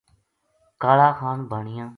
کالاخان بانیا